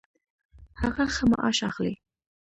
هغه ښه معاش اخلي